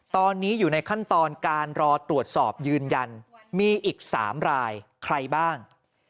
ตอนนี้อยู่ในขั้นตอนการรอตรวจสอบยืนยันมีอีก๓รายใครบ้าง